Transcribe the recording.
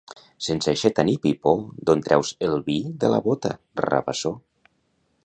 Sense aixeta ni pipó, d'on treus el vi de la bota, Rabassó?